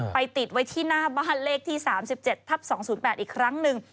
ติดไว้ที่หน้าบ้านเลขที่๓๗ทับ๒๐๘อีกครั้งหนึ่ง